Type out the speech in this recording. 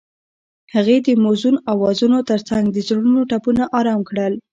هغې د موزون اوازونو ترڅنګ د زړونو ټپونه آرام کړل.